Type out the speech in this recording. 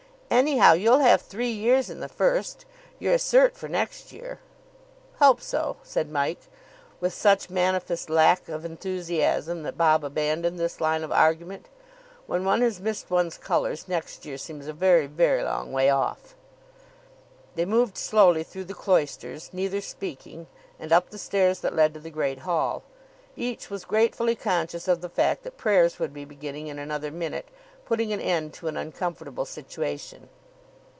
"Anyhow, you'll have three years in the first. You're a cert. for next year." "Hope so," said Mike, with such manifest lack of enthusiasm that Bob abandoned this line of argument. When one has missed one's colours, next year seems a very, very long way off. They moved slowly through the cloisters, neither speaking, and up the stairs that led to the Great Hall. Each was gratefully conscious of the fact that prayers would be beginning in another minute, putting an end to an uncomfortable situation.